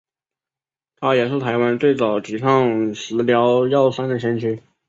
他也是台湾最早提倡食疗药膳的先驱。